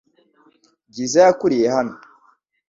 Bwiza yakuriye hano .